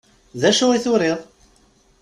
D acu i turiḍ?